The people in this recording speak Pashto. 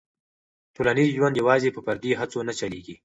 ټولنیز ژوند یوازې په فردي هڅو نه چلېږي.